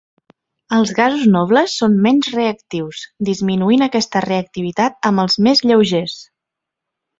Els gasos nobles són menys reactius, disminuint aquesta reactivitat amb els més lleugers.